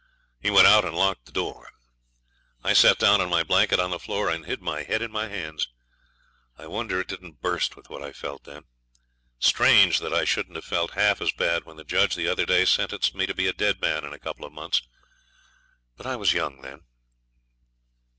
He went out and locked the door. I sat down on my blanket on the floor and hid my head in my hands. I wonder it didn't burst with what I felt then. Strange that I shouldn't have felt half as bad when the judge, the other day, sentenced me to be a dead man in a couple of months. But I was young then.